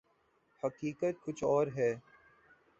حقیقت کچھ اور ہے۔